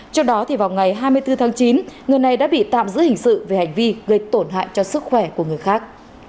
trước đó vào ngày hai mươi bốn tháng chín người này đã bị tạm giữ hình sự về hành vi gây tổn hại cho sức khỏe của người khác